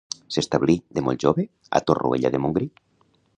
S'establí, de molt jove, a Torroella de Montgrí.